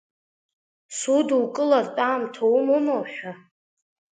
Судукылартә аамҭа умоума ҳәа?